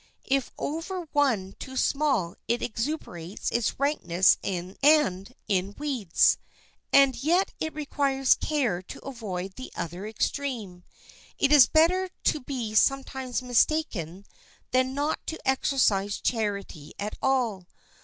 If over one too small it exuberates in rankness and in weeds. And yet it requires care to avoid the other extreme. It is better to be sometimes mistaken than not to exercise charity at all.